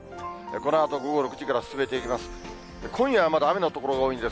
このあと午後６時から進めていきます。